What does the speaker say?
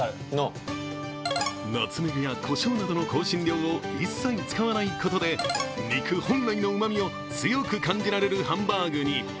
ナツメグやこしょうなどの香辛料を一切使わないことで肉本来のうまみを強く感じられるハンバーグに。